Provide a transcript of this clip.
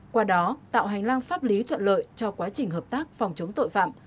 qua đó tạo hành lang pháp lý thuận lợi cho quá trình hợp tác phòng chống tội phạm